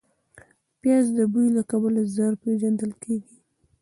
پیاز د بوی له کبله ژر پېژندل کېږي